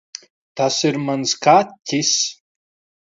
Tas ir mans kaķis.